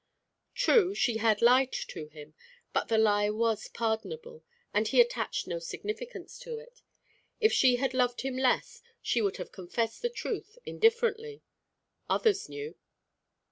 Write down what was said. True, she had lied to him; but the lie was pardonable, and he attached no significance to it. If she had loved him less, she would have confessed the truth, indifferently. Others knew.